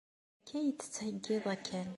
Akka i tettheyyiḍ akal.